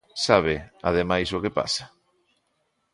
¿Sabe, ademais, o que pasa?